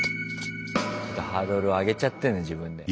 ハードルを上げちゃってんだ自分で。